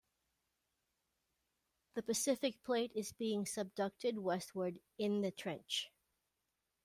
The Pacific Plate is being subducted westward in the trench.